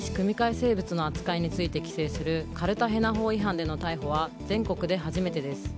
生物の扱いについて規制するカルタヘナ法違反での逮捕は全国で初めてです。